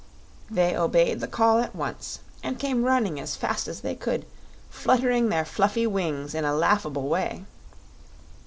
They obeyed the call at once, and came running as fast as they could, fluttering their fluffy wings in a laughable way.